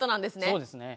そうですね。